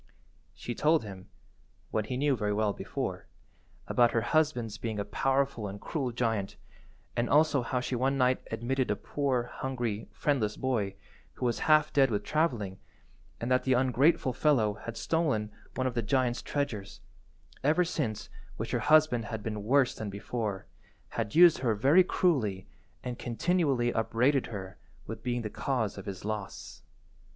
She told him (what he knew very well before) about her husband's being a powerful and cruel giant and also how she one night admitted a poor, hungry, friendless boy, who was half dead with travelling, and that the ungrateful fellow had stolen one of the giant's treasures, ever since which her husband had been worse than before, had used her very cruelly, and continually upbraided her with being the cause of his loss.